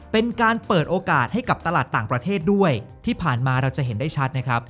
เป็นการเปิดโอกาสให้กับตลาดต่างประเทศด้วยที่ผ่านมาเราจะเห็นได้ชัดนะครับ